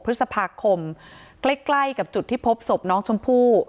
พฤษภาคมใกล้กับจุดที่พบศพน้องชมพู่